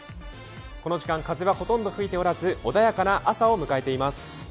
この時間、風はほとんどなく通勤途中の皆さん穏やかな朝を迎えています。